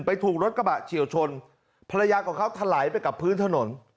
ถูกรถกระบะเฉียวชนภรรยาของเขาถลายไปกับพื้นถนน